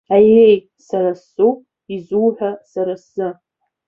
Аиеи, сара сзоуп изуҳәа, сара сзы!